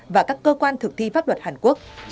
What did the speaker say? và các cơ quan thực thi pháp luật hàn quốc